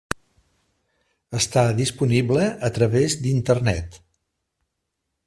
Està disponible a través d'Internet.